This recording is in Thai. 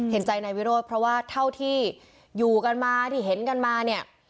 เห็นใจนายวิโรธเพราะว่าเท่าที่อยู่กันมาที่เห็นกันมาเนี่ย